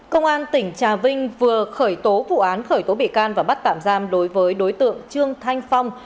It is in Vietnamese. công an tỉnh trà vinh vừa khởi tố vụ án khởi tố bị can và bắt tạm giam đối với đối tượng trương thanh phong